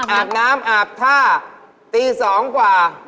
อาบน้ำอาบท่าตี๒กว่า